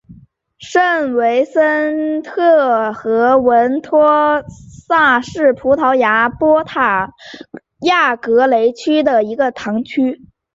圣维森特和文托萨是葡萄牙波塔莱格雷区的一个堂区。